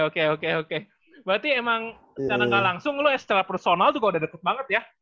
oke oke oke berarti emang secara gak langsung lo ya secara personal juga udah deket banget ya